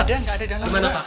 gak ada gak ada dalamnya